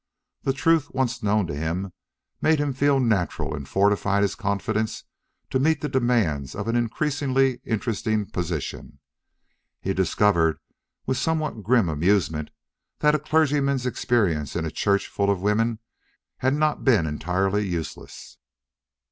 The truth, once known to him, made him feel natural and fortified his confidence to meet the demands of an increasingly interesting position. He discovered, with a somewhat grim amusement, that a clergyman's experience in a church full of women had not been entirely useless.